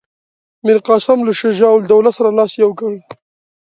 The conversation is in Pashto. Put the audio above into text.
میرقاسم له شجاع الدوله سره لاس یو کړی.